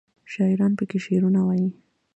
شاعران پکې شعرونه وايي.